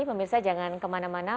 pemirsa jangan kemana mana